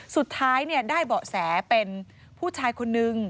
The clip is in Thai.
สุดท้ายได้เบาะแสเป็นผู้ชายคนนึง